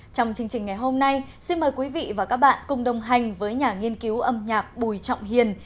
trong chương trình ngày hôm nay xin mời quý vị và các bạn cùng đồng hành với nhà nghiên cứu âm nhạc bùi trọng hiền